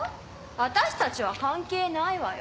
私たちは関係ないわよ。